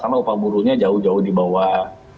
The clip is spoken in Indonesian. karena upah buruhnya jauh jauh di bawah